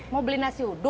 mau beli nasi uduk